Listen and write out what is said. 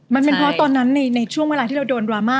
มันเป็นเพราะตอนนั้นในช่วงเวลาที่เราโดนดราม่า